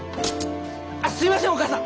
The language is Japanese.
あっすいませんおかあさん！